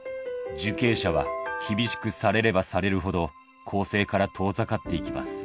受刑者は厳しくされればされるほど、更生から遠ざかっていきます。